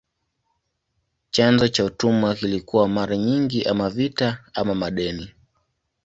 Chanzo cha utumwa kilikuwa mara nyingi ama vita ama madeni.